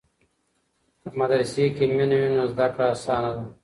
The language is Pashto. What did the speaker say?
که مدرسې کې مینه وي نو زده کړه اسانه ده.